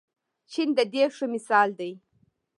چین د دې ښه مثال دی.